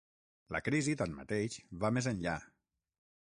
La crisi, tanmateix, va més enllà.